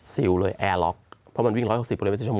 ซิลเลยแอร์ล็อกเพราะว่ามันวิ่ง๑๖๐ปมช